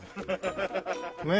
ねえ。